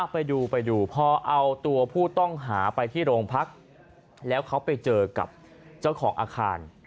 ไปดูไปดูพอเอาตัวผู้ต้องหาไปที่โรงพักแล้วเขาไปเจอกับเจ้าของอาคาร